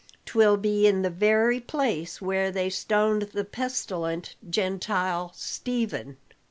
'Twill be in the very place where they stoned the pestilent Gentile, Stephen."